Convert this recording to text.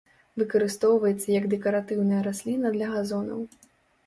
Выкарыстоўваецца як дэкаратыўная расліна для газонаў.